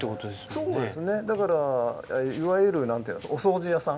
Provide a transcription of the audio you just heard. そうですねだからいわゆるお掃除屋さん。